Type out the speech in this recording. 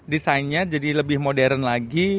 desainnya jadi lebih modern lagi